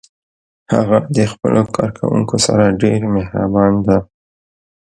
هغه د خپلو کارکوونکو سره ډیر مهربان ده